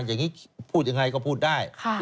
อย่างนี้พูดยังไงก็พูดได้